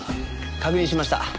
確認しました。